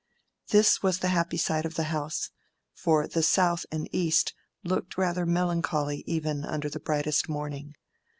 This was the happy side of the house, for the south and east looked rather melancholy even under the brightest morning.